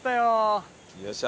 よっしゃ。